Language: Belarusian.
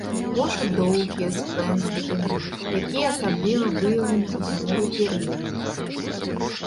Вушы доўгія, з пэндзлікамі, якія асабліва выяўлены ў зімовы перыяд.